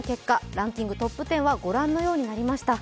ランキングトップ１０はご覧のようになりました。